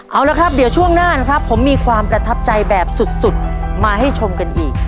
เอาละครับเดี๋ยวช่วงหน้านะครับผมมีความประทับใจแบบสุดมาให้ชมกันอีก